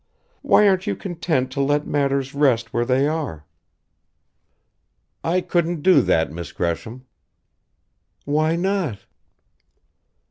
Why aren't you content to let matters rest where they are?" "I couldn't do that, Miss Gresham." "Why not?"